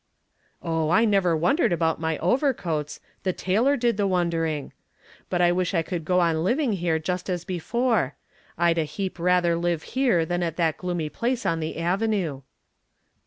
"Oh, I never wondered about my overcoats; the tailor did the wondering. But I wish I could go on living here just as before. I'd a heap rather live here than at that gloomy place on the avenue."